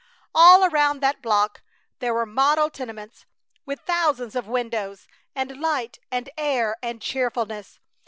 All around that block there were model tenements, with thousands of windows; and light and air and cheerfulness.